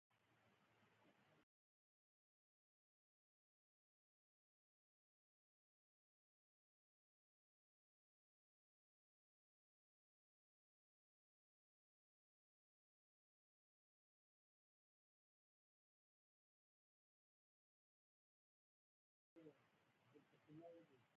د بادغیس په جوند کې د مسو نښې شته.